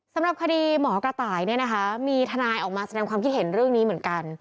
สำหรับคดีหมอกระต่ายเนี่ยนะคะมีทนายออกมาแสดงความคิดเห็นเรื่องนี้เหมือนกัน